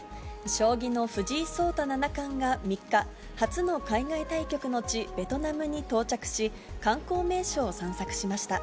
将棋の藤井聡太七冠が３日、初の海外対局の地、ベトナムに到着し、観光名所を散策しました。